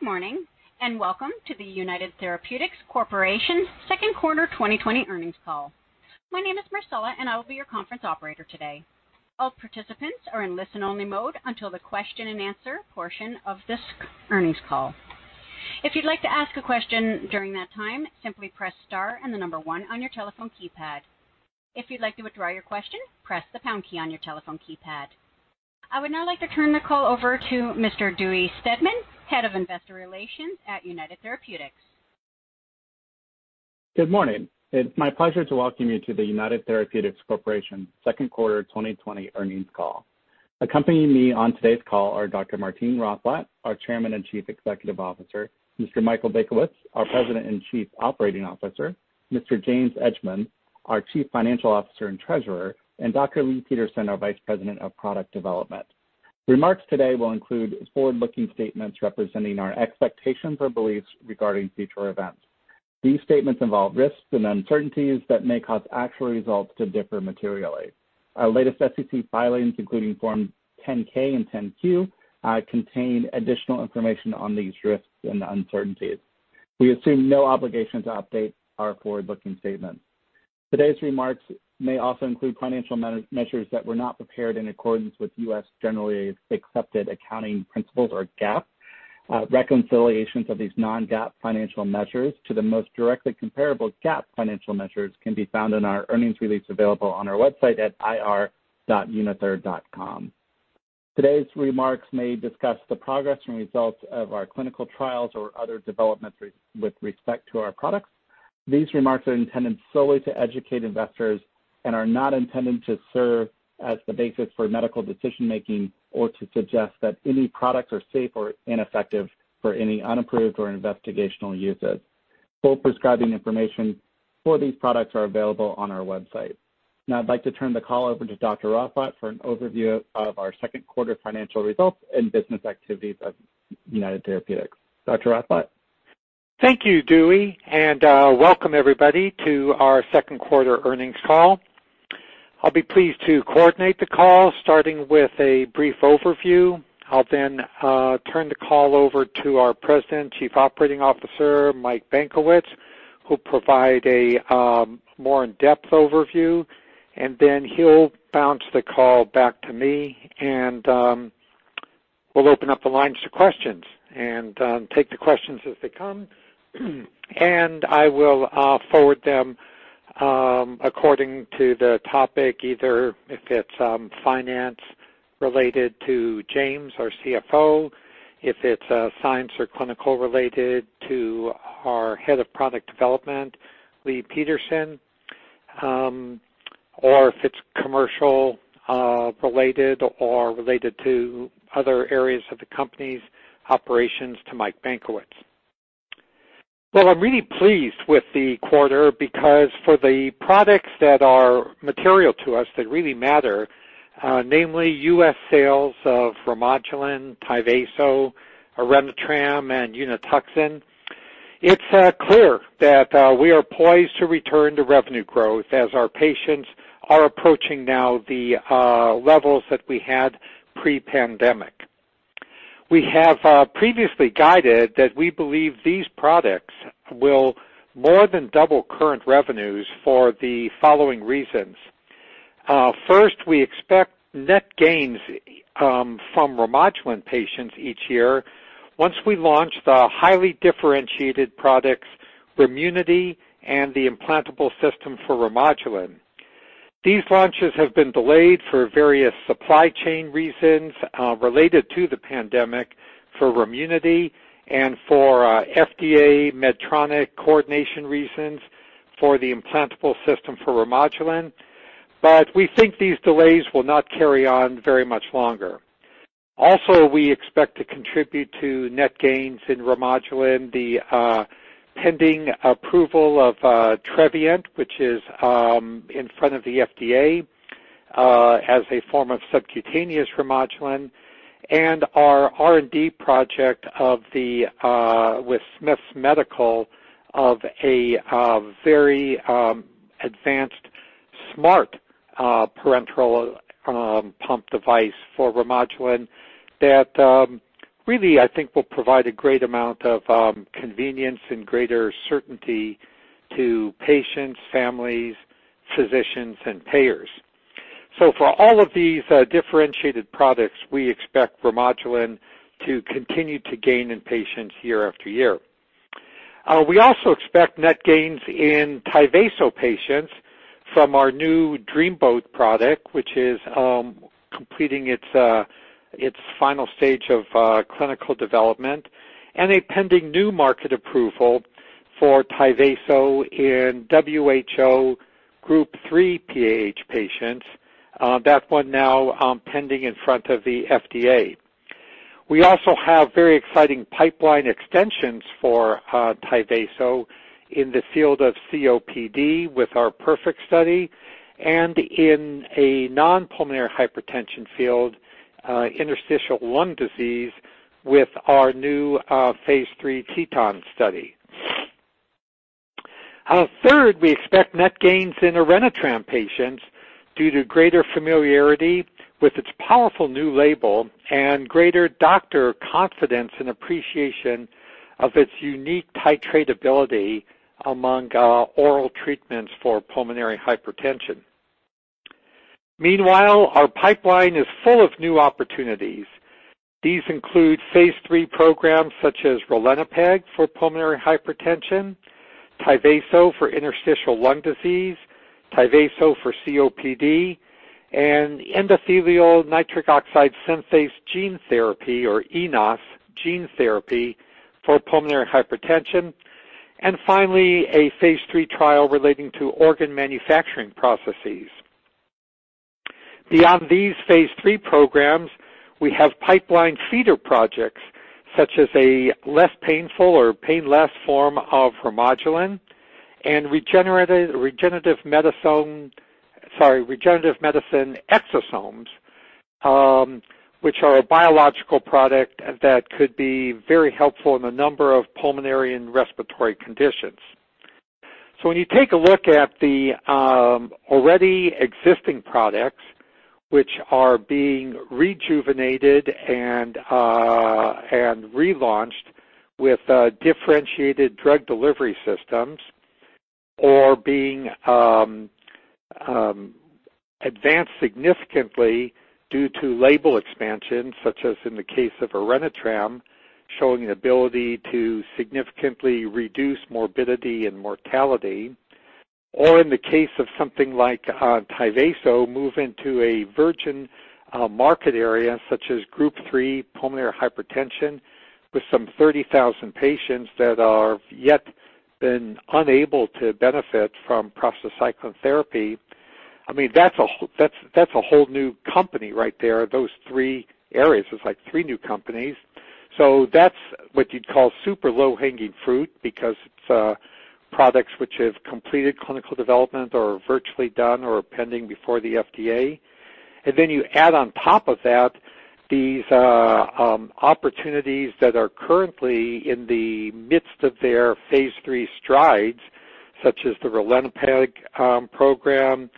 Good morning, and welcome to the United Therapeutics Corporation Second Quarter 2020 Earnings Call. My name is Marcella, and I will be your conference operator today. All participants are in listen-only mode until the question and answer portion of this earnings call. If you'd like to ask a question during that time, simply press star and the number one on your telephone keypad. If you'd like to withdraw your question, press the pound key on your telephone keypad. I would now like to turn the call over to Mr. Dewey Steadman, head of investor relations at United Therapeutics. Good morning. It's my pleasure to welcome you to the United Therapeutics Corporation Second Quarter 2020 Earnings Call. Accompanying me on today's call are Dr. Martine Rothblatt, our Chairman and Chief Executive Officer, Mr. Michael Benkowitz, our President and Chief Operating Officer, Mr. James Edgemond, our Chief Financial Officer and Treasurer, and Dr. Leigh Peterson, our Vice President of Product Development. Remarks today will include forward-looking statements representing our expectations or beliefs regarding future events. These statements involve risks and uncertainties that may cause actual results to differ materially. Our latest SEC filings, including Form 10-K and 10-Q, contain additional information on these risks and uncertainties. We assume no obligation to update our forward-looking statements. Today's remarks may also include financial measures that were not prepared in accordance with U.S. generally accepted accounting principles, or GAAP. Reconciliations of these non-GAAP financial measures to the most directly comparable GAAP financial measures can be found in our earnings release available on our website at ir.unither.com. Today's remarks may discuss the progress and results of our clinical trials or other developments with respect to our products. These remarks are intended solely to educate investors and are not intended to serve as the basis for medical decision-making or to suggest that any products are safe or ineffective for any unapproved or investigational uses. Full prescribing information for these products are available on our website. I'd like to turn the call over to Dr. Rothblatt for an overview of our second quarter financial results and business activities at United Therapeutics. Dr. Rothblatt? Thank you, Dewey. Welcome everybody to our second quarter earnings call. I'll be pleased to coordinate the call, starting with a brief overview. I'll then turn the call over to our President, Chief Operating Officer, Michael Benkowitz, who'll provide a more in-depth overview. Then he'll bounce the call back to me, and we'll open up the lines to questions and take the questions as they come. I will forward them according to the topic, either if it's finance related to James, our CFO, if it's science or clinical related to our Head of Product Development, Leigh Peterson, or if it's commercial related or related to other areas of the company's operations to Michael Benkowitz. Well, I'm really pleased with the quarter because for the products that are material to us, that really matter, namely U.S. sales of Remodulin, TYVASO, Orenitram, and Unituxin, it's clear that we are poised to return to revenue growth as our patients are approaching now the levels that we had pre-pandemic. We have previously guided that we believe these products will more than double current revenues for the following reasons. First, we expect net gains from Remodulin patients each year once we launch the highly differentiated products Remunity and the implantable system for Remodulin. These launches have been delayed for various supply chain reasons related to the pandemic for Remunity and for FDA Medtronic coordination reasons for the implantable system for Remodulin. We think these delays will not carry on very much longer. Also, we expect to contribute to net gains in Remodulin, the pending approval of Trevyent, which is in front of the FDA, as a form of subcutaneous Remodulin, and our R&D project with Smiths Medical of a very advanced smart parenteral pump device for Remodulin that really, I think, will provide a great amount of convenience and greater certainty to patients, families, physicians, and payers. For all of these differentiated products, we expect Remodulin to continue to gain in patients year after year. We also expect net gains in TYVASO patients from our new Dreamboat product, which is completing its final stage of clinical development and a pending new market approval for TYVASO in WHO Group III PAH patients. That one now pending in front of the FDA. We also have very exciting pipeline extensions for TYVASO in the field of COPD with our PERFECT study and in a non-pulmonary hypertension field, interstitial lung disease, with our new phase III TETON study. Third, we expect net gains in Orenitram patients due to greater familiarity with its powerful new label and greater doctor confidence and appreciation of its unique titratability among oral treatments for pulmonary hypertension. Meanwhile, our pipeline is full of new opportunities. These include phase III programs such as ralinepag for pulmonary hypertension, TYVASO for interstitial lung disease, TYVASO for COPD, and endothelial nitric oxide synthase gene therapy, or eNOS gene therapy, for pulmonary hypertension, and finally, a phase III trial relating to organ manufacturing processes. Beyond these phase III programs, we have pipeline feeder projects such as a less painful or pain-less form of Remodulin and regenerative medicine exosomes, which are a biological product that could be very helpful in a number of pulmonary and respiratory conditions. When you take a look at the already existing products, which are being rejuvenated and relaunched with differentiated drug delivery systems, or being advanced significantly due to label expansion, such as in the case of Orenitram, showing an ability to significantly reduce morbidity and mortality, or in the case of something like TYVASO, move into a virgin market area such as WHO Group III pulmonary hypertension with some 30,000 patients that are yet been unable to benefit from prostacyclin therapy. That's a whole new company right there. Those three areas is like three new companies. That's what you'd call super low-hanging fruit because it's products which have completed clinical development or are virtually done or are pending before the FDA. You add on top of that these opportunities that are currently in the midst of their phase III strides, such as the ralinepag program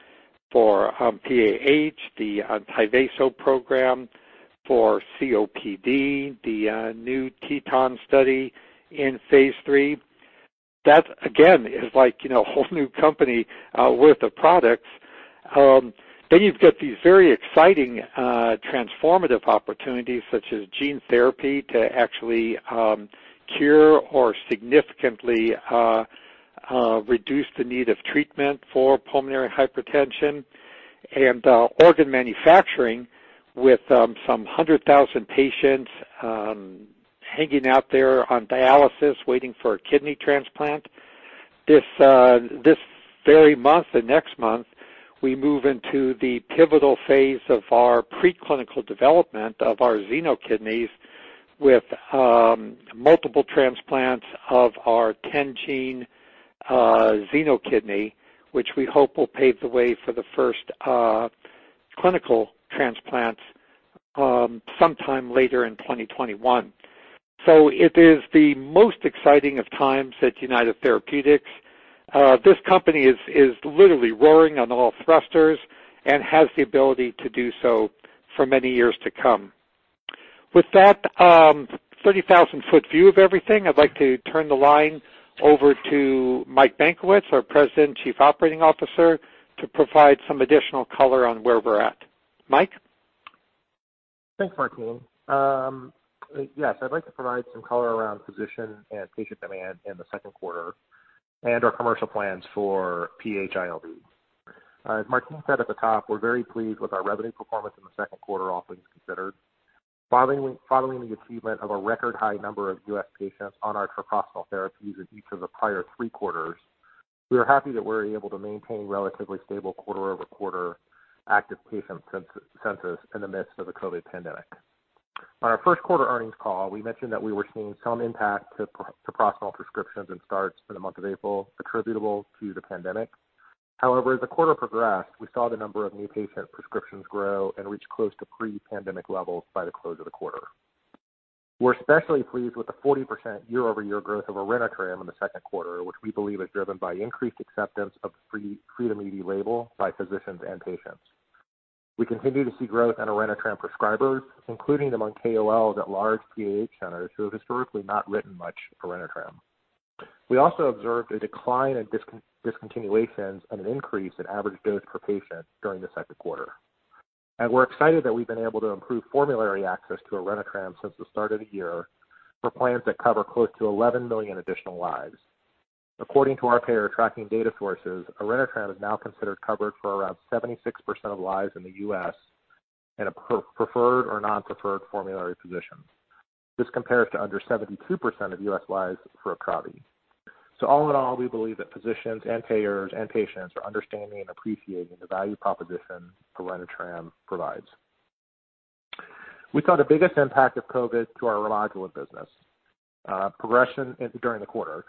for PAH, the TYVASO program for COPD, the new TETON study in phase III. That again is like a whole new company with the products. Then you've got these very exciting transformative opportunities, such as gene therapy to actually cure or significantly reduce the need of treatment for pulmonary hypertension and organ manufacturing with some 100,000 patients hanging out there on dialysis waiting for a kidney transplant. This very month and next month, we move into the pivotal phase of our pre-clinical development of our Xeno kidneys with multiple transplants of our 10-gene Xeno kidney, which we hope will pave the way for the first clinical transplants sometime later in 2021. It is the most exciting of times at United Therapeutics. This company is literally roaring on all thrusters and has the ability to do so for many years to come. With that 30,000-foot view of everything, I'd like to turn the line over to Mike Benkowitz, our President and Chief Operating Officer, to provide some additional color on where we're at. Mike? Thanks, Martine. Yes, I'd like to provide some color around physician and patient demand in the second quarter and our commercial plans for PH-ILD. As Martine said at the top, we're very pleased with our revenue performance in the second quarter, all things considered. Following the achievement of a record high number of U.S. patients on our epoprostenol therapies in each of the prior three quarters, we are happy that we're able to maintain relatively stable quarter-over-quarter active patient census in the midst of the COVID pandemic. On our first quarter earnings call, we mentioned that we were seeing some impact to epoprostenol prescriptions and starts in the month of April attributable to the pandemic. However, as the quarter progressed, we saw the number of new patient prescriptions grow and reach close to pre-pandemic levels by the close of the quarter. We're especially pleased with the 40% year-over-year growth of Orenitram in the second quarter, which we believe is driven by increased acceptance of the freedom to label by physicians and patients. We continue to see growth in Orenitram prescribers, including among KOLs at large PAH centers who have historically not written much Orenitram. We also observed a decline in discontinuations and an increase in average dose per patient during the second quarter. We're excited that we've been able to improve formulary access to Orenitram since the start of the year for plans that cover close to 11 million additional lives. According to our payer tracking data sources, Orenitram is now considered covered for around 76% of lives in the U.S. and a preferred or non-preferred formulary position. This compares to under 72% of U.S. lives for Orenitram. All in all, we believe that physicians and payers and patients are understanding and appreciating the value proposition Orenitram provides. We saw the biggest impact of COVID to our Remodulin business during the quarter.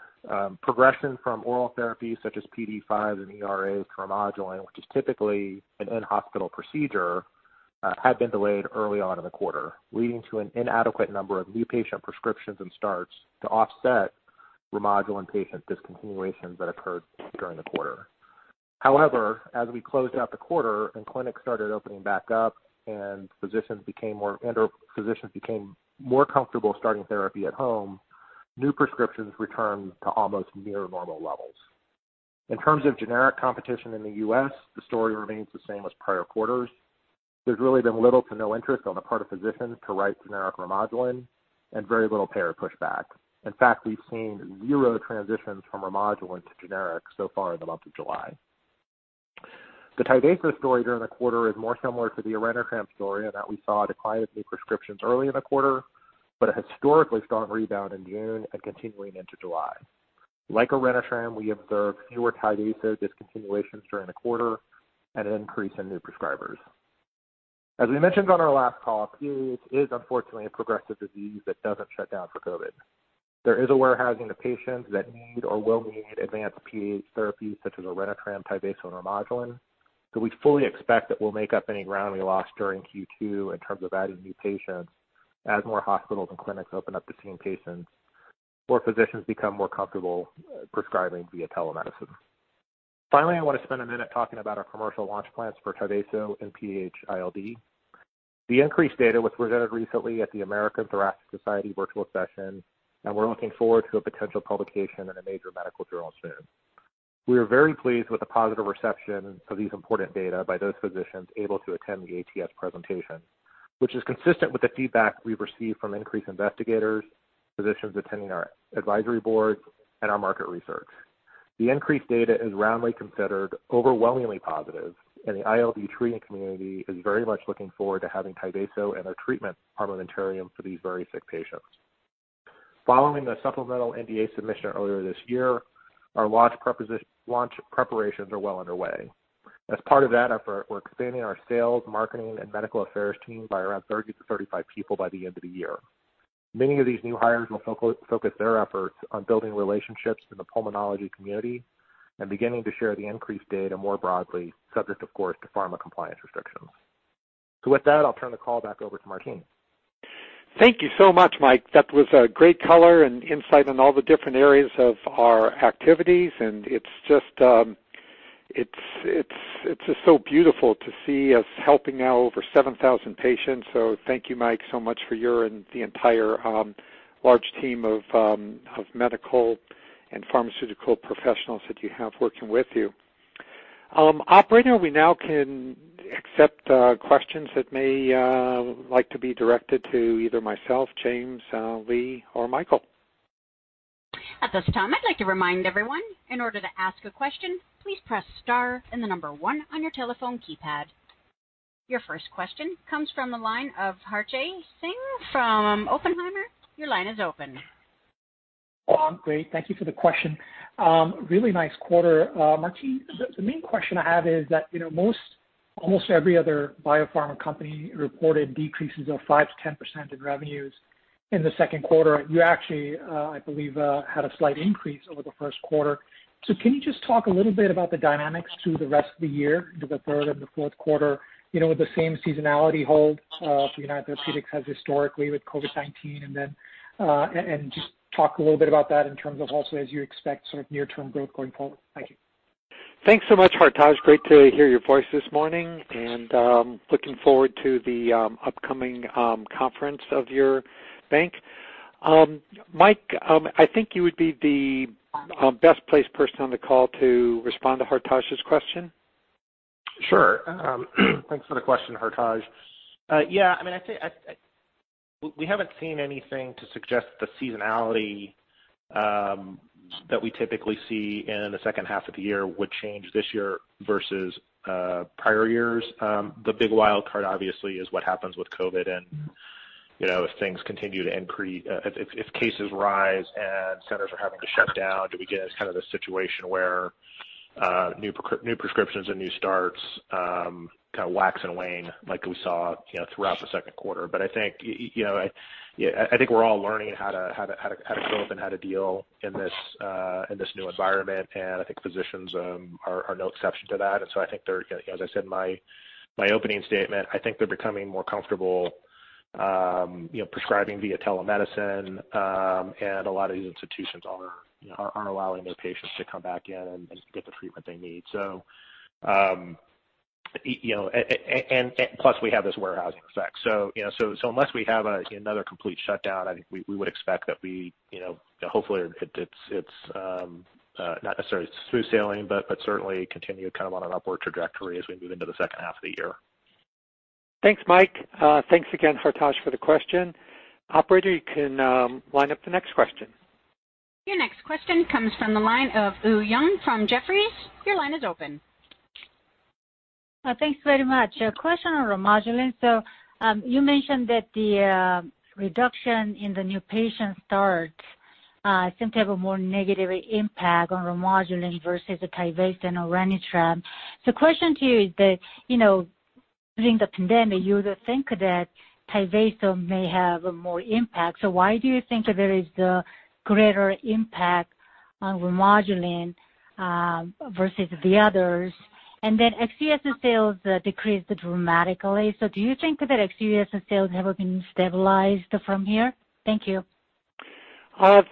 Progression from oral therapies such as PDE5 and ERAs to Remodulin, which is typically an in-hospital procedure had been delayed early on in the quarter, leading to an inadequate number of new patient prescriptions and starts to offset Remodulin patient discontinuations that occurred during the quarter. However, as we closed out the quarter and clinics started opening back up and physicians became more comfortable starting therapy at home, new prescriptions returned to almost near normal levels. In terms of generic competition in the U.S., the story remains the same as prior quarters. There's really been little to no interest on the part of physicians to write generic Remodulin and very little payer pushback. In fact, we've seen zero transitions from Remodulin to generic so far in the month of July. The TYVASO story during the quarter is more similar to the Orenitram story in that we saw a decline of new prescriptions early in the quarter, a historically strong rebound in June and continuing into July. Like Orenitram, we observed fewer TYVASO discontinuations during the quarter and an increase in new prescribers. As we mentioned on our last call, PAH is unfortunately a progressive disease that doesn't shut down for COVID. There is a warehousing of patients that need or will need advanced PAH therapies such as Orenitram, TYVASO, or Remodulin. We fully expect that we'll make up any ground we lost during Q2 in terms of adding new patients as more hospitals and clinics open up to seeing patients or physicians become more comfortable prescribing via telemedicine. I want to spend a minute talking about our commercial launch plans for TYVASO and PH-ILD. The INCREASE data was presented recently at the American Thoracic Society virtual session, and we're looking forward to a potential publication in a major medical journal soon. We are very pleased with the positive reception of these important data by those physicians able to attend the ATS presentation, which is consistent with the feedback we've received from INCREASE investigators, physicians attending our advisory board, and our market research. The INCREASE data is roundly considered overwhelmingly positive, and the ILD treatment community is very much looking forward to having TYVASO in their treatment armamentarium for these very sick patients. Following the supplemental NDA submission earlier this year, our launch preparations are well underway. As part of that effort, we're expanding our sales, marketing, and medical affairs team by around 30-35 people by the end of the year. Many of these new hires will focus their efforts on building relationships in the pulmonology community and beginning to share the INCREASE data more broadly, subject, of course, to pharma compliance restrictions. With that, I'll turn the call back over to Martine. Thank you so much, Mike. That was a great color and insight on all the different areas of our activities, and it is just so beautiful to see us helping out over seven thousand patients. Thank you, Mike, so much for your and the entire large team of medical and pharmaceutical professionals that you have working with you. Operator, we now can accept questions that may like to be directed to either myself, James, Leigh, or Michael. At this time, I'd like to remind everyone, in order to ask a question, please press star and the number one on your telephone keypad. Your first question comes from the line of Hartaj Singh from Oppenheimer. Your line is open. Great. Thank you for the question. Really nice quarter. Martine, the main question I have is that most, almost every other biopharma company reported decreases of 5%-10% in revenues in the second quarter. You actually, I believe, had a slight increase over the first quarter. Can you just talk a little bit about the dynamics to the rest of the year into the third and the fourth quarter? Will the same seasonality hold for United Therapeutics has historically with COVID-19 and then, just talk a little bit about that in terms of also as you expect sort of near term growth going forward. Thank you. Thanks so much, Hartaj. It's great to hear your voice this morning, and looking forward to the upcoming conference of your bank. Mike, I think you would be the best placed person on the call to respond to Hartaj's question. Sure. Thanks for the question, Hartaj. Yeah, we haven't seen anything to suggest the seasonality that we typically see in the second half of the year would change this year versus prior years. The big wild card, obviously, is what happens with COVID and if things continue to increase, if cases rise and centers are having to shut down, do we get into this situation where new prescriptions and new starts kind of wax and wane like we saw throughout the second quarter. I think we're all learning how to cope and how to deal in this new environment, and I think physicians are no exception to that. I think they're, as I said in my opening statement, I think they're becoming more comfortable prescribing via telemedicine. A lot of these institutions are allowing their patients to come back in and get the treatment they need. Plus we have this warehousing effect. Unless we have another complete shutdown, I think we would expect that we hopefully it's not necessarily smooth sailing, but certainly continue on an upward trajectory as we move into the second half of the year. Thanks, Mike. Thanks again, Hartaj, for the question. Operator, you can line up the next question. Your next question comes from the line of Yun Zhong from Jefferies. Your line is open. Thanks very much. A question on Remodulin. You mentioned that the reduction in the new patient starts seem to have a more negative impact on Remodulin versus TYVASO and Orenitram. Question to you is that, during the pandemic, you would think that TYVASO may have more impact. Why do you think there is the greater impact on Remodulin versus the others. ex-US sales decreased dramatically. Do you think that ex-US sales have been stabilized from here? Thank you.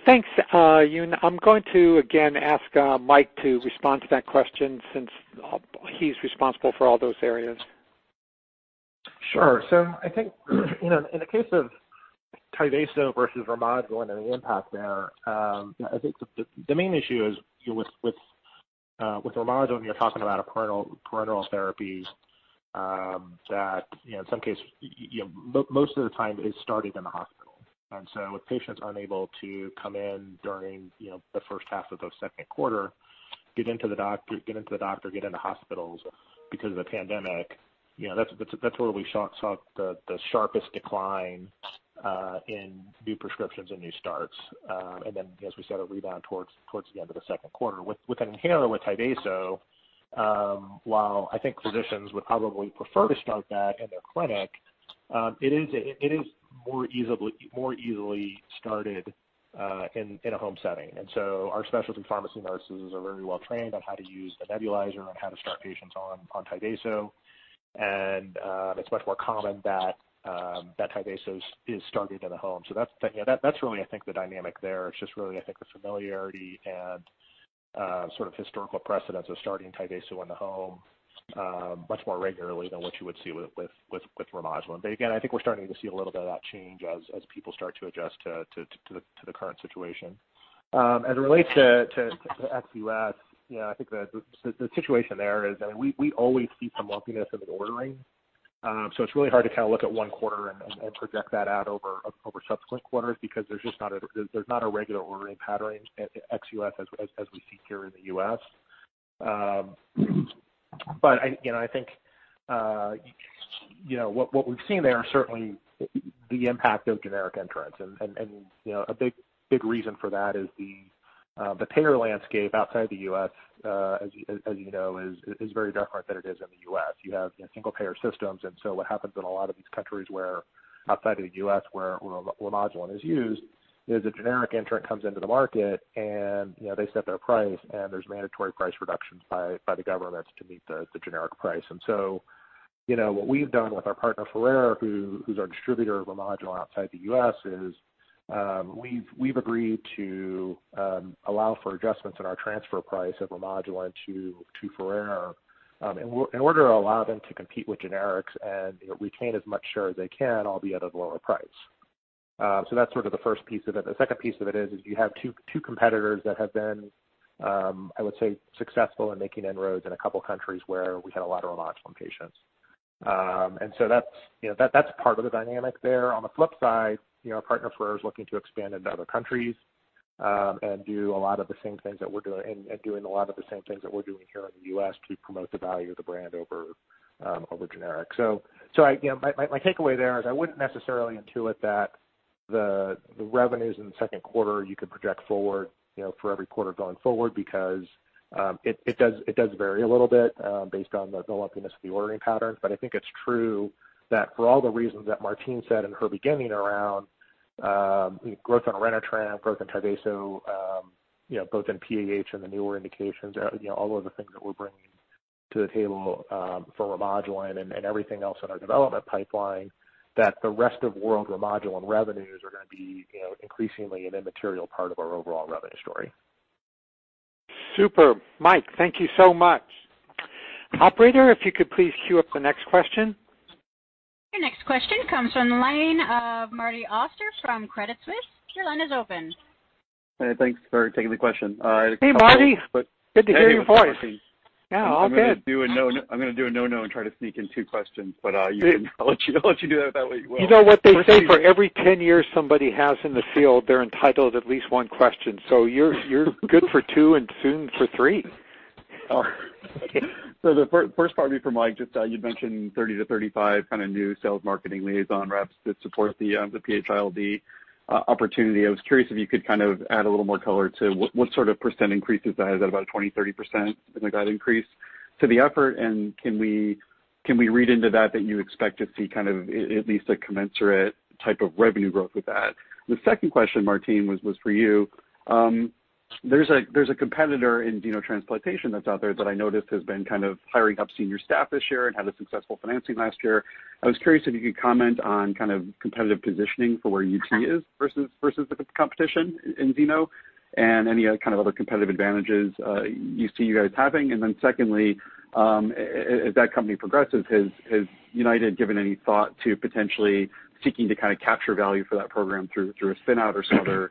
Thanks, Yun. I'm going to again ask Mike to respond to that question since he's responsible for all those areas. Sure. I think in the case of TYVASO versus Remodulin and the impact there, I think the main issue is with Remodulin, you're talking about a parenteral therapy that, in some case, most of the time is started in the hospital. With patients unable to come in during the first half of the second quarter, get into the doctor, get into hospitals because of the pandemic, that's where we saw the sharpest decline in new prescriptions and new starts. As we said, a rebound towards the end of the second quarter. With an inhaler like TYVASO, while I think physicians would probably prefer to start that in their clinic, it is more easily started in a home setting. Our specialty pharmacy nurses are very well trained on how to use the nebulizer and how to start patients on TYVASO. It's much more common that TYVASO is started in the home. That's really, I think, the dynamic there. It's just really, I think, the familiarity and sort of historical precedence of starting TYVASO in the home much more regularly than what you would see with Remodulin. Again, I think we're starting to see a little bit of that change as people start to adjust to the current situation. As it relates to ex-US, I think the situation there is, we always see some lumpiness in the ordering. It's really hard to look at one quarter and project that out over subsequent quarters because there's not a regular ordering pattern at ex-US as we see here in the U.S. I think what we've seen there, certainly the impact of generic entrants and a big reason for that is the payer landscape outside the U.S. as you know, is very different than it is in the U.S. You have single-payer systems, so what happens in a lot of these countries where outside of the U.S. where Remodulin is used, is a generic entrant comes into the market and they set their price, and there's mandatory price reductions by the governments to meet the generic price. So, what we've done with our partner, Ferrer, who's our distributor of Remodulin outside the U.S., is we've agreed to allow for adjustments in our transfer price of Remodulin to Ferrer in order to allow them to compete with generics and retain as much share as they can, albeit at a lower price. That's sort of the first piece of it. The second piece of it is you have two competitors that have been, I would say, successful in making inroads in a couple of countries where we had a lot of Remodulin patients. That's part of the dynamic there. On the flip side, our partner, Ferrer, is looking to expand into other countries and do a lot of the same things that we're doing and doing a lot of the same things that we're doing here in the U.S. to promote the value of the brand over generics. My takeaway there is I wouldn't necessarily intuit that the revenues in the second quarter you could project forward for every quarter going forward because it does vary a little bit based on the lumpiness of the ordering patterns. I think it's true that for all the reasons that Martine said in her beginning around growth on Orenitram, growth in TYVASO both in PAH and the newer indications, all of the things that we're bringing to the table for Remodulin and everything else in our development pipeline, that the rest of world Remodulin revenues are going to be increasingly an immaterial part of our overall revenue story. Super. Mike, thank you so much. Operator, if you could please queue up the next question. Your next question comes from the line of Marty Auster from Credit Suisse. Your line is open. Hey, thanks for taking the question. Hey, Marty. Good to hear your voice. Hey, Martine. Yeah, all good. I'm going to do a no and try to sneak in two questions. I'll let you do it that way. You know what they say, for every 10 years somebody has in the field, they're entitled at least one question. You're good for two and soon for three. The first part will be for Mike, just you'd mentioned 30-35 kind of new sales marketing liaison reps that support the PH-ILD opportunity. I was curious if you could add a little more color to what sort of % increase is that? Is that about 20%-30% in that increase to the effort? Can we read into that you expect to see at least a commensurate type of revenue growth with that? The second question, Martine, was for you. There's a competitor in xenotransplantation that's out there that I noticed has been hiring up senior staff this year and had a successful financing last year. I was curious if you could comment on competitive positioning for where UT is versus the competition in xeno and any other kind of other competitive advantages you see you guys having. Secondly, as that company progresses, has United given any thought to potentially seeking to capture value for that program through a spin-out or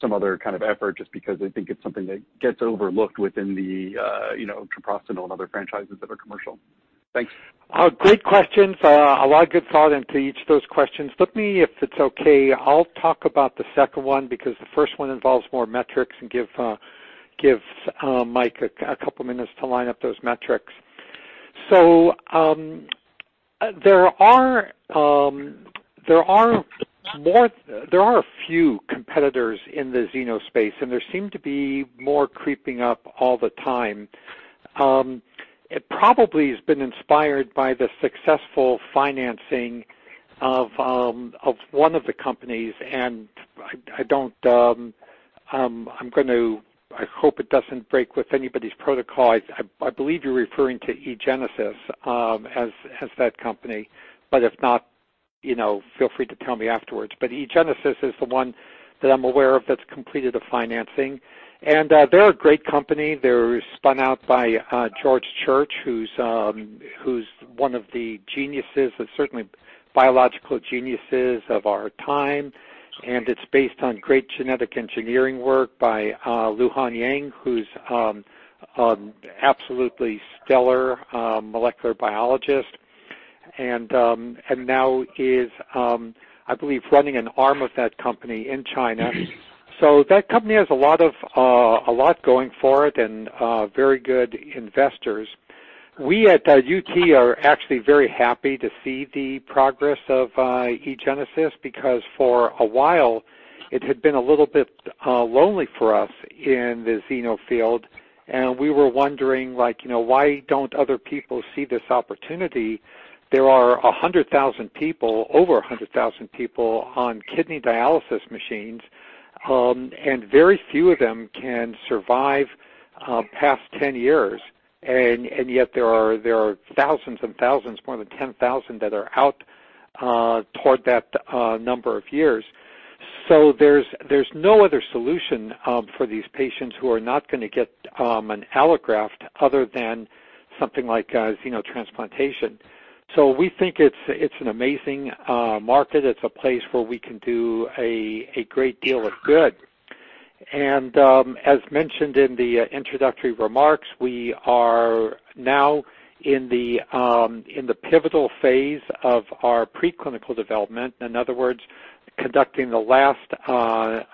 some other kind of effort? Just because I think it's something that gets overlooked within the treprostinil and other franchises that are commercial. Thanks. Great questions. A lot of good thought into each of those questions. Let me, if it's okay, I'll talk about the second one because the first one involves more metrics. Give Mike a couple of minutes to line up those metrics. There are a few competitors in the Xeno space. There seem to be more creeping up all the time. It probably has been inspired by the successful financing of one of the companies. I hope it doesn't break with anybody's protocol. I believe you're referring to eGenesis as that company. If not, feel free to tell me afterwards. eGenesis is the one that I'm aware of that's completed a financing. They're a great company. They were spun out by George Church, who's one of the geniuses and certainly biological geniuses of our time. It's based on great genetic engineering work by Luhan Yang, who's an absolutely stellar molecular biologist, and now is, I believe, running an arm of that company in China. That company has a lot going for it and very good investors. We at UT are actually very happy to see the progress of eGenesis, because for a while it had been a little bit lonely for us in the xeno field, and we were wondering, why don't other people see this opportunity? There are 100,000 people, over 100,000 people on kidney dialysis machines, and very few of them can survive past 10 years. Yet there are thousands and thousands, more than 10,000 that are out toward that number of years. There's no other solution for these patients who are not going to get an allograft other than something like xenotransplantation. We think it's an amazing market. It's a place where we can do a great deal of good. As mentioned in the introductory remarks, we are now in the pivotal phase of our pre-clinical development. In other words, conducting the last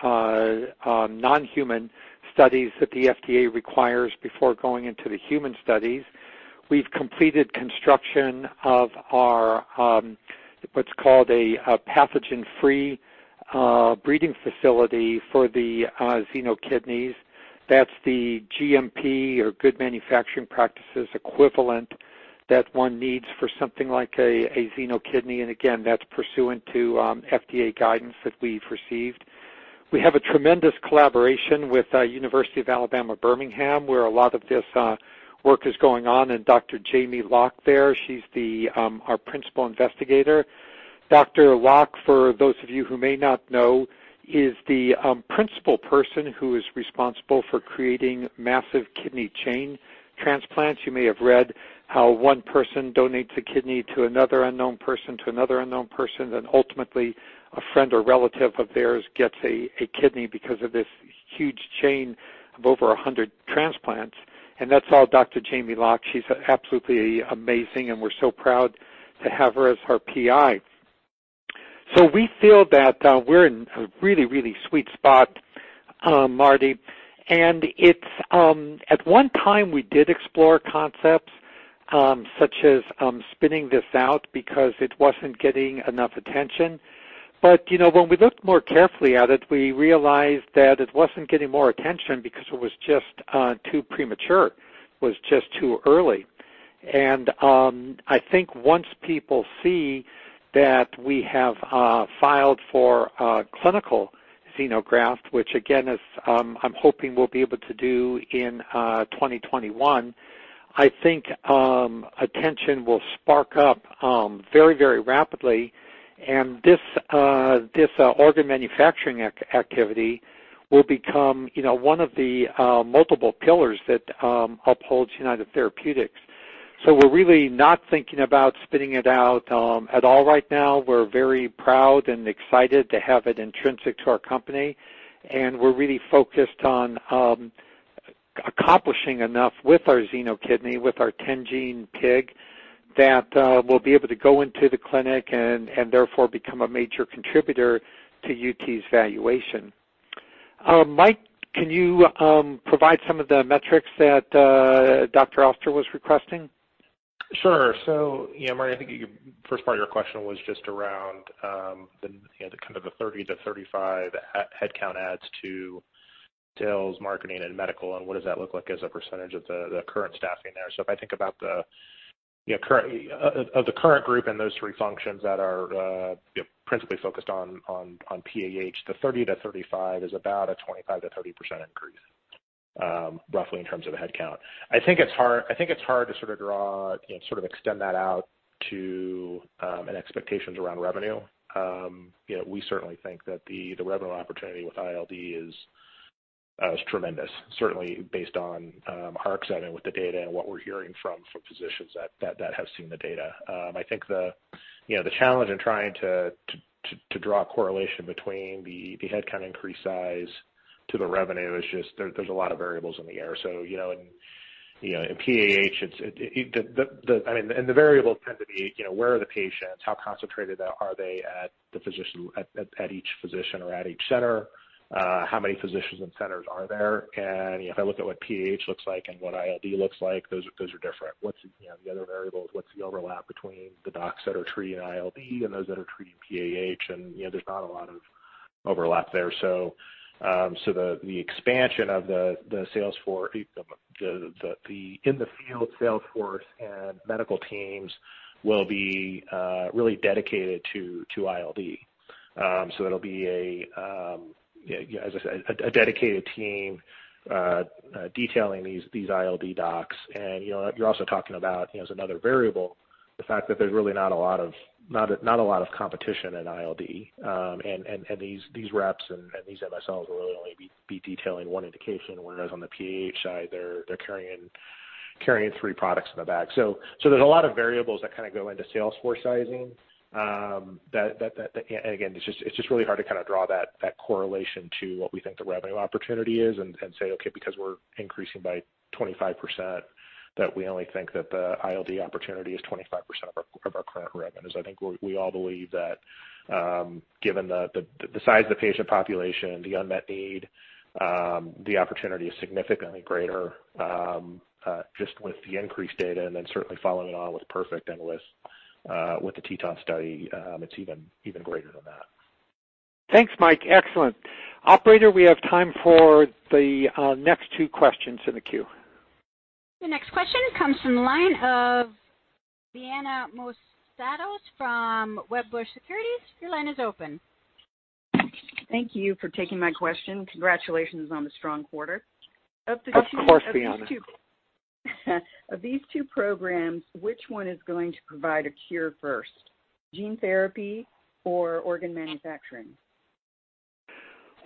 non-human studies that the FDA requires before going into the human studies. We've completed construction of what's called a pathogen-free breeding facility for the xeno kidneys. That's the GMP or good manufacturing practices equivalent that one needs for something like a xeno kidney, and again, that's pursuant to FDA guidance that we've received. We have a tremendous collaboration with University of Alabama at Birmingham, where a lot of this work is going on, and Dr. Jayme Locke there, she's our principal investigator. Dr. Locke, for those of you who may not know, is the principal person who is responsible for creating massive kidney chain transplants. You may have read how one person donates a kidney to another unknown person, to another unknown person, then ultimately a friend or relative of theirs gets a kidney because of this huge chain of over 100 transplants. That's all Dr. Jayme Locke. She's absolutely amazing, and we're so proud to have her as our PI. We feel that we're in a really sweet spot, Marty, and at one time we did explore concepts such as spinning this out because it wasn't getting enough attention. When we looked more carefully at it, we realized that it wasn't getting more attention because it was just too premature, was just too early. I think once people see that we have filed for clinical xenograft, which again, I'm hoping we'll be able to do in 2021. I think attention will spark up very rapidly, this organ manufacturing activity will become one of the multiple pillars that upholds United Therapeutics. We're really not thinking about spinning it out at all right now. We're very proud and excited to have it intrinsic to our company, we're really focused on accomplishing enough with our Xeno kidney, with our 10 gene pig, that we'll be able to go into the clinic and therefore become a major contributor to UT's valuation. Mike, can you provide some of the metrics that Dr. Auster was requesting? Sure. Yeah, Marty, I think first part of your question was just around the kind of the 30-35 headcount adds to sales, marketing, and medical, and what does that look like as a percentage of the current staffing there? If I think about of the current group and those three functions that are principally focused on PAH, the 30-35 is about a 25%-30% increase, roughly in terms of a headcount. I think it's hard to sort of extend that out to an expectations around revenue. We certainly think that the revenue opportunity with ILD is tremendous. Certainly based on our excitement with the data and what we're hearing from physicians that have seen the data. I think the challenge in trying to draw a correlation between the headcount increase size to the revenue is just there's a lot of variables in the air. In PAH, the variables tend to be where are the patients, how concentrated are they at each physician or at each center? How many physicians and centers are there? If I look at what PAH looks like and what ILD looks like, those are different. The other variables, what's the overlap between the docs that are treating ILD and those that are treating PAH? There's not a lot of overlap there. The expansion of the in-the-field sales force and medical teams will be really dedicated to ILD. It'll be, as I said, a dedicated team detailing these ILD docs. You're also talking about, as another variable, the fact that there's really not a lot of competition in ILD. These reps and these MSLs will really only be detailing one indication, whereas on the PAH side, they're carrying three products in the bag. There's a lot of variables that go into sales force sizing. Again, it's just really hard to draw that correlation to what we think the revenue opportunity is and say, okay, because we're increasing by 25%, that we only think that the ILD opportunity is 25% of our current revenues. I think we all believe that given the size of the patient population, the unmet need, the opportunity is significantly greater, just with the increased data, and then certainly following it on with PERFECT and with the TETON study, it's even greater than that. Thanks, Mike. Excellent. Operator, we have time for the next two questions in the queue. The next question comes from the line of Liana Moussatos from Wedbush Securities. Your line is open. Thank you for taking my question. Congratulations on the strong quarter. Of course, Liana. Of these two programs, which one is going to provide a cure first, gene therapy or organ manufacturing?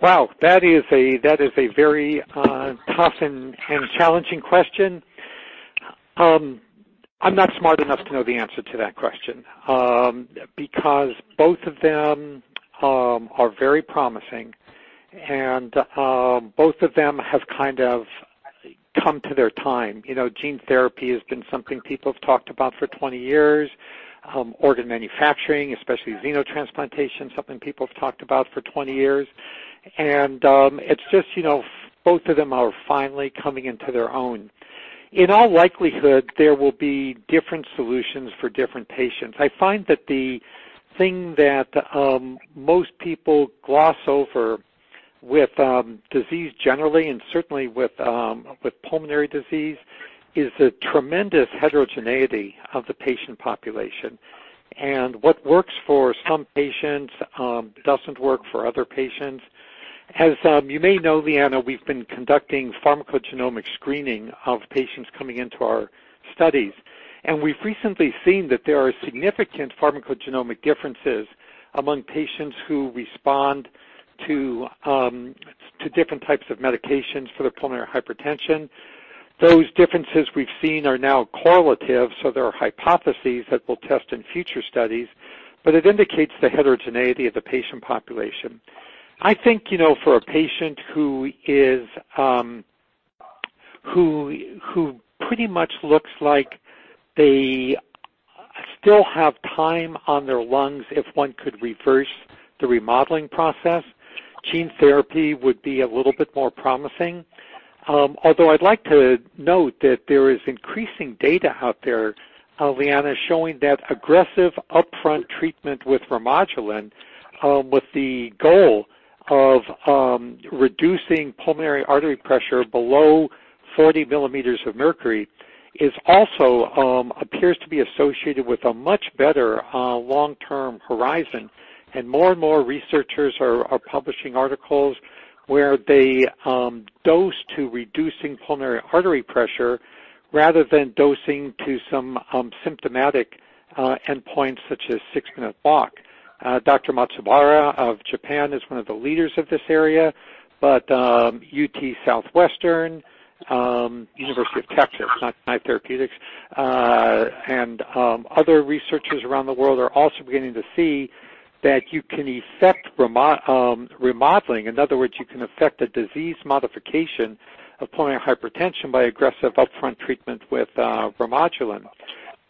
Wow. That is a very tough and challenging question. I'm not smart enough to know the answer to that question, because both of them are very promising, and both of them have come to their time. Gene therapy has been something people have talked about for 20 years. Organ manufacturing, especially xenotransplantation, something people have talked about for 20 years. It's just both of them are finally coming into their own. In all likelihood, there will be different solutions for different patients. I find that the thing that most people gloss over with disease generally, and certainly with pulmonary disease, is the tremendous heterogeneity of the patient population. What works for some patients doesn't work for other patients. As you may know, Liana, we've been conducting pharmacogenomic screening of patients coming into our studies. We've recently seen that there are significant pharmacogenomic differences among patients who respond to different types of medications for their pulmonary hypertension. Those differences we've seen are now correlative. They're hypotheses that we'll test in future studies. It indicates the heterogeneity of the patient population. I think, for a patient who pretty much looks like they still have time on their lungs if one could reverse the remodeling process, gene therapy would be a little bit more promising. I'd like to note that there is increasing data out there, Liana, showing that aggressive upfront treatment with Remodulin, with the goal of reducing pulmonary artery pressure below 40 millimeters of mercury, it also appears to be associated with a much better long-term horizon, and more and more researchers are publishing articles where they dose to reducing pulmonary artery pressure rather than dosing to some symptomatic endpoint, such as six-minute walk. Dr. Matsubara of Japan is one of the leaders of this area, but UT Southwestern, University of Texas, not United Therapeutics, and other researchers around the world are also beginning to see that you can affect remodeling. In other words, you can affect the disease modification of pulmonary hypertension by aggressive upfront treatment with Remodulin.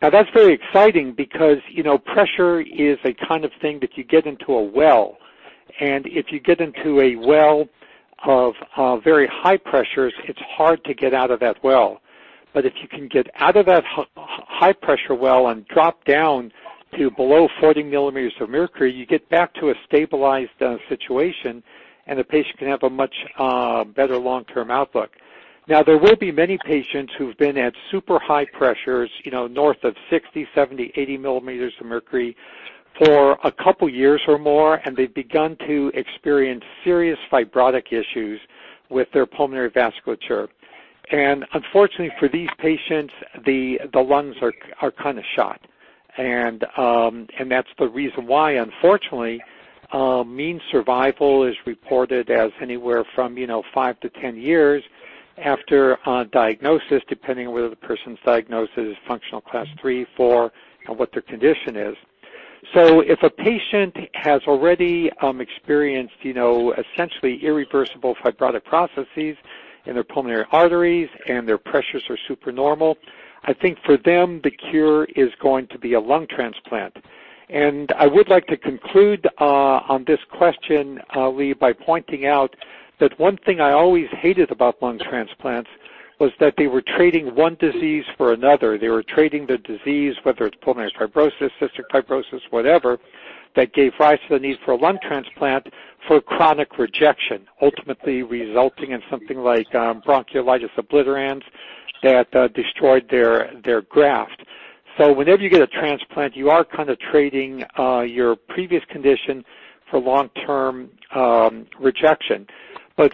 That's very exciting because pressure is a kind of thing that you get into a well, and if you get into a well of very high pressures, it's hard to get out of that well. If you can get out of that high-pressure well and drop down to below 40 millimeters of mercury, you get back to a stabilized situation, and the patient can have a much better long-term outlook. There will be many patients who've been at super high pressures north of 60, 70, 80 millimeters of mercury for a couple of years or more, and they've begun to experience serious fibrotic issues with their pulmonary vasculature. Unfortunately for these patients, the lungs are kind of shot. That's the reason why, unfortunately, mean survival is reported as anywhere from five to 10 years after diagnosis, depending on whether the person's diagnosis is functional class three, four, and what their condition is. If a patient has already experienced essentially irreversible fibrotic processes in their pulmonary arteries and their pressures are supernormal, I think for them, the cure is going to be a lung transplant. I would like to conclude on this question, Li, by pointing out that one thing I always hated about lung transplants was that they were trading one disease for another. They were trading the disease, whether it's pulmonary fibrosis, cystic fibrosis, whatever, that gave rise to the need for a lung transplant for chronic rejection, ultimately resulting in something like bronchiolitis obliterans that destroyed their graft. Whenever you get a transplant, you are kind of trading your previous condition for long-term rejection.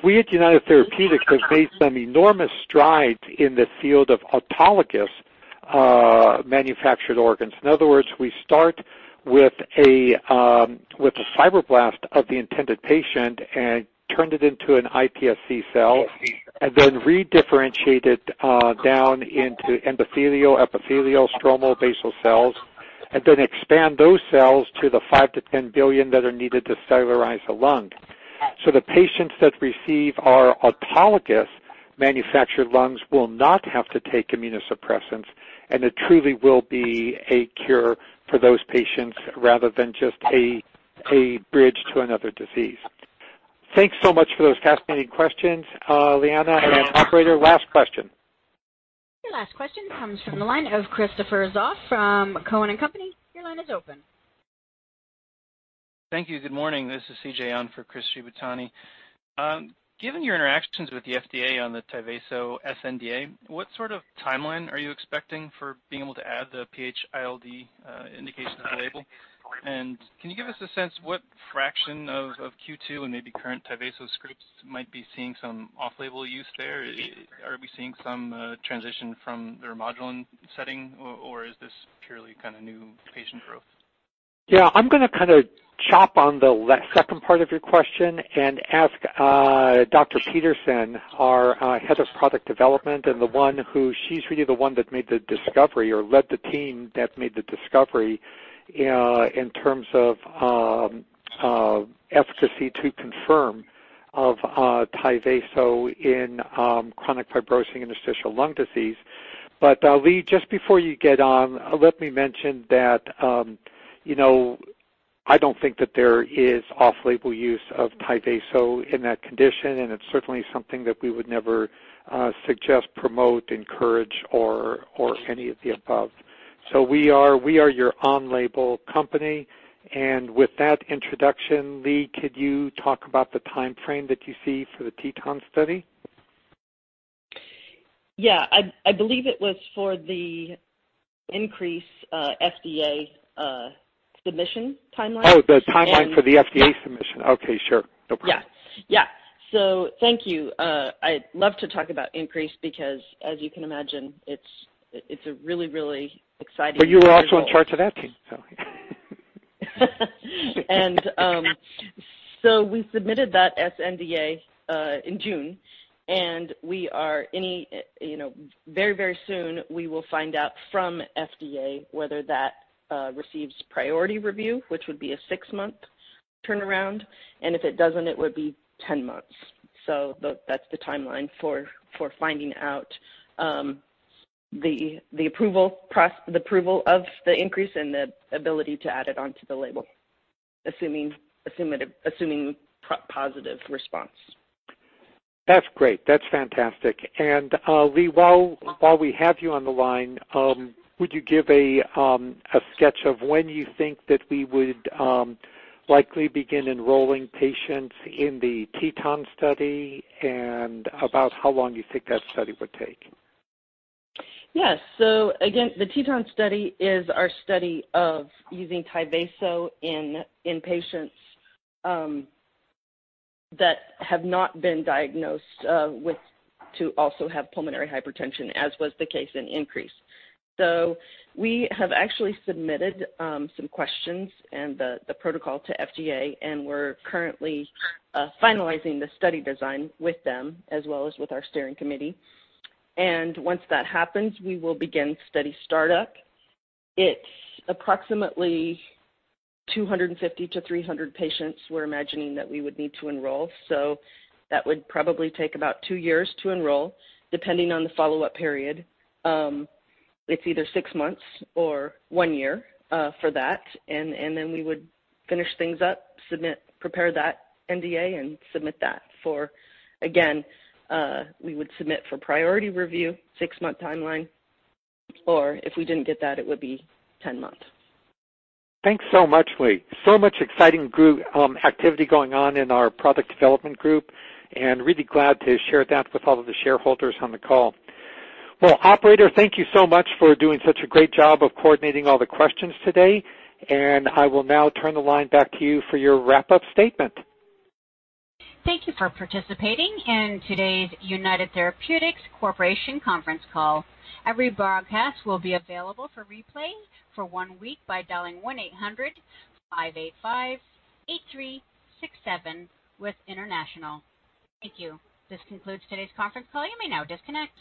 We at United Therapeutics have made some enormous strides in the field of autologous manufactured organs. In other words, we start with a fibroblast of the intended patient and turned it into an iPSC cell, and then redifferentiate it down into endothelial, epithelial, stromal, basal cells, and then expand those cells to the 5 billion-10 billion that are needed to cellularize a lung. The patients that receive our autologous manufactured lungs will not have to take immunosuppressants, and it truly will be a cure for those patients rather than just a bridge to another disease. Thanks so much for those fascinating questions. Liana and operator, last question. Your last question comes from the line of Christopher is off from Cowen & Company. Your line is open. Thank you. Good morning. This is CJ on for Chris Shibutani. Given your interactions with the FDA on the TYVASO SNDA, what sort of timeline are you expecting for being able to add the PH-ILD indication to the label? Can you give us a sense what fraction of Q2 and maybe current TYVASO scripts might be seeing some off-label use there? Are we seeing some transition from the Remodulin setting, or is this purely new patient growth? Yeah, I'm going to chop on the second part of your question and ask Dr. Peterson, our head of product development and she's really the one that made the discovery or led the team that made the discovery in terms of efficacy to confirm of TYVASO in chronic fibrosis interstitial lung disease. Leigh, just before you get on, let me mention that I don't think that there is off-label use of TYVASO in that condition, and it's certainly something that we would never suggest, promote, encourage, or any of the above. We are your on-label company. With that introduction, Leigh, could you talk about the timeframe that you see for the TETON study? Yeah. I believe it was for the INCREASE FDA submission timeline. Oh, the timeline for the FDA submission. Okay, sure. No problem. Yeah. Thank you. I love to talk about INCREASE because, as you can imagine, it's a really, really exciting. You were also in charge of that team. We submitted that SNDA in June, and very, very soon we will find out from FDA whether that receives priority review, which would be a six-month turnaround, and if it doesn't, it would be 10 months. That's the timeline for finding out the approval of the INCREASE and the ability to add it onto the label, assuming positive response. That's great. That's fantastic. Leigh, while we have you on the line, would you give a sketch of when you think that we would likely begin enrolling patients in the TETON study, and about how long you think that study would take? Yes. The TETON study is our study of using TYVASO in patients that have not been diagnosed to also have pulmonary hypertension, as was the case in INCREASE. We have actually submitted some questions and the protocol to FDA, and we're currently finalizing the study design with them as well as with our steering committee. Once that happens, we will begin study startup. It's approximately 250-300 patients we're imagining that we would need to enroll. That would probably take about two years to enroll, depending on the follow-up period. It's either six months or one year for that. We would finish things up, prepare that NDA, and submit that for, again, we would submit for priority review, six-month timeline, or if we didn't get that, it would be 10 months. Thanks so much, Leigh. Much exciting activity going on in our product development group, and really glad to share that with all of the shareholders on the call. Well, operator, thank you so much for doing such a great job of coordinating all the questions today. I will now turn the line back to you for your wrap-up statement. Thank you for participating in today's United Therapeutics Corporation conference call. A rebroadcast will be available for replay for one week by dialing 1-800-585-8367 with international. Thank you. This concludes today's conference call. You may now disconnect.